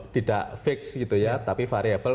tidak fix gitu ya tapi variable